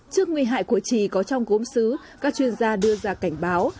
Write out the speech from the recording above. trước nguy hại của chỉ có trong gốm xứ các chuyên gia đưa ra cảnh báo